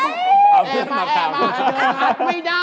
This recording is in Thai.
แอร์มา